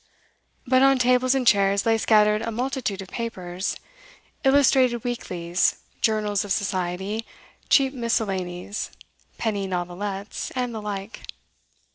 But on tables and chairs lay scattered a multitude of papers: illustrated weeklies, journals of society, cheap miscellanies, penny novelettes, and the like.